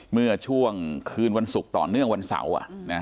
เมื่อช่วงคืนวันศุกร์ต่อเนื่องวันเสาร์